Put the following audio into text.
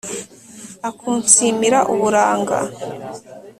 akunsimira uburanga,